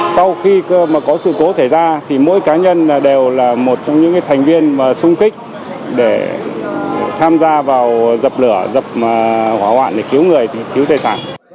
sau khi có sự cố xảy ra thì mỗi cá nhân đều là một trong những thành viên sung kích để tham gia vào dập lửa dập hỏa hoạn để cứu người cứu tài sản